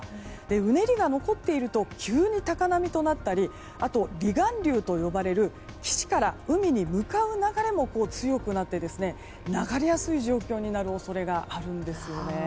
うねりが残っていると急に高波となったりあと、離岸流と呼ばれる岸から海に向かう流れも強くなって流れやすい状況になる恐れがあるんですよね。